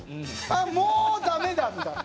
ああもうダメなんだ。